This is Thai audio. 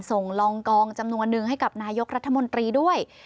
ลองกองจำนวนหนึ่งให้กับนายกรัฐมนตรีด้วย